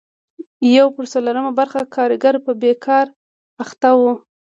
یو پر څلورمه برخه کارګر په بېګار اخته وو.